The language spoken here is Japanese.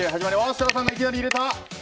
設楽さんがいきなり入れた！